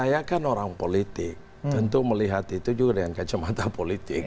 saya kan orang politik tentu melihat itu juga dengan kacamata politik